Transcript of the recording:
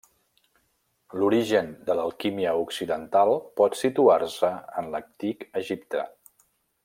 L'origen de l'alquímia occidental pot situar-se en l'antic Egipte.